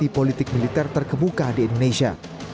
sebagai peneliti politik militer terkemuka di indonesia